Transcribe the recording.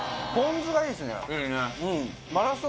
いいね。